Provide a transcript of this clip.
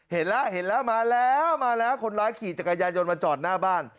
เห็นแล้วเห็นแล้วมาแล้วมาแล้วคนร้ายขี่จักรยานยนต์มาจอดหน้าบ้าน